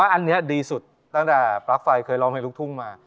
มีส่วนนี้ดีสุดตั้งแต่ปรับไฟเคยร้องเพลงลุกทุ่มมา